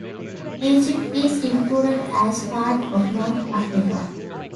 Egypt is included as part of North Africa.